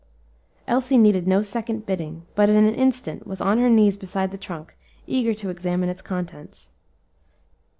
Elsie needed no second bidding, but in an instant was on her knees beside the trunk, eager to examine its contents.